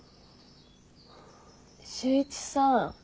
修一さん。